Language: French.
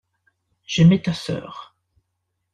J’aimai ta sœur.